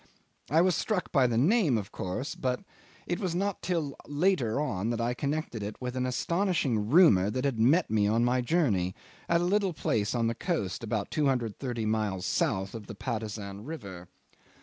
I was struck by the name, of course; but it was not till later on that I connected it with an astonishing rumour that had met me on my journey, at a little place on the coast about 230 miles south of Patusan River.